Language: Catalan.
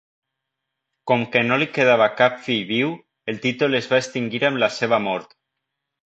Com que no li quedava cap fill viu, el títol es va extingir amb la seva mort.